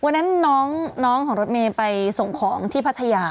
วันนั้นน้องของรถเมย์ไปส่งของที่พัทยา